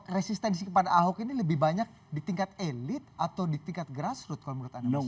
resistensi kepada ahok ini lebih banyak di tingkat elit atau di tingkat grassroot kalau menurut anda